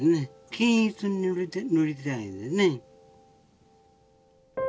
均一に塗りたいんでね。